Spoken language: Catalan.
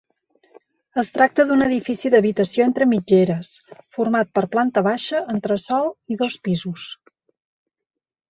Es tracta d'un edifici d'habitació entre mitgeres format per planta baixa, entresòl i dos pisos.